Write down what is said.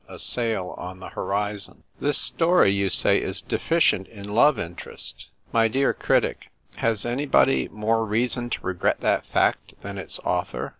A SAIL ON THE HORIZON. " This story," you say, " is deficient in love interest." My dear critic, has anybody more reason to regret that fact than its author